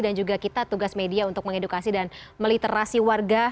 dan juga kita tugas media untuk mengedukasi dan meliterasi warga